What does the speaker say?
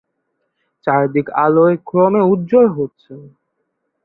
চারদিক আলোয় ক্রমে উজ্জ্বল হচ্ছে।